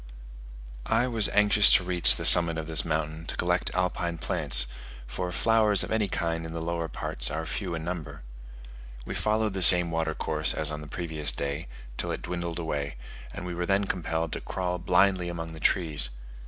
I was anxious to reach the summit of this mountain to collect alpine plants; for flowers of any kind in the lower parts are few in number. We followed the same water course as on the previous day, till it dwindled away, and we were then compelled to crawl blindly among the trees.